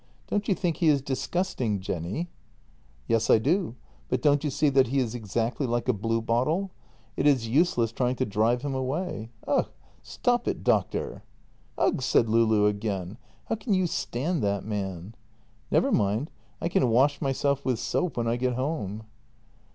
Don't you think he is disgusting, Jenny? "" Yes, I do, but don't you see that he is exactly like a blue bottle? — it is useless trying to drive him away. Ugh! stop it, doctor! "" Ugh !" said Loulou again. " How can you stand that man? "" Never mind. I can wash myself with soap when I get home."